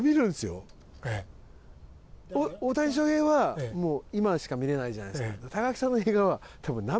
大谷翔平はもう今しか見れないじゃないですか。